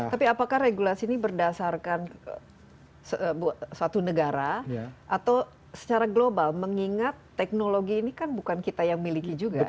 tapi apakah regulasi ini berdasarkan suatu negara atau secara global mengingat teknologi ini kan bukan kita yang miliki juga